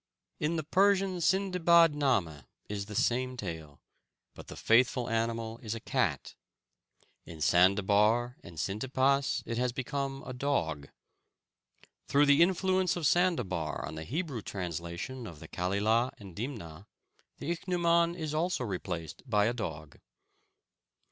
In the Persian Sindibad nâmeh is the same tale, but the faithful animal is a cat. In Sandabar and Syntipas it has become a dog. Through the influence of Sandabar on the Hebrew translation of the Kalilah and Dimnah, the ichneumon is also replaced by a dog.